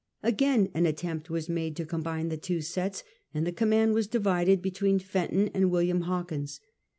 Again an attempt was made to combine the two sets, and the command was divided between Fenton and William Hawkins.